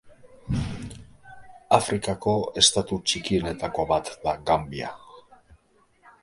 Afrikako estatu txikienetako bat da Gambia.